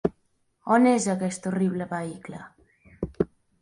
On és aquest horrible vehicle?